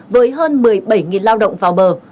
với hơn một mươi bảy lao động vào bờ